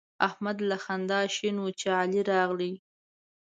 احمد له خندا شین وو چې علي راغی.